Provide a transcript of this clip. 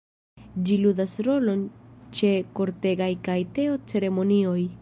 Ĝi ludas rolon ĉe kortegaj kaj teo-ceremonioj.